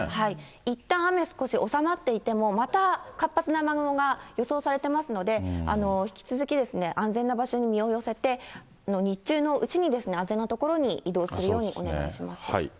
いったん雨少し収まっていても、また活発な雨雲が予想されてますので、引き続き安全な場所に身を寄せて、日中のうちに、安全な所に移動するようにお願いします。